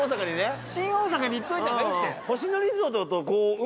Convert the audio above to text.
新大阪に行っといた方がいいって。